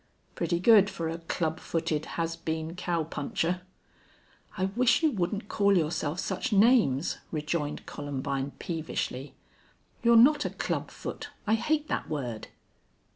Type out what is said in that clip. "Pretty good for a club footed has been cow puncher." "I wish you wouldn't call yourself such names," rejoined Columbine, peevishly. "You're not a club foot. I hate that word!"